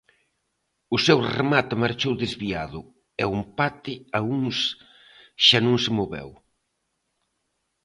O seu remate marchou desviado, e o empate a uns xa non se moveu.